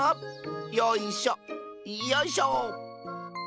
よいしょよいしょ。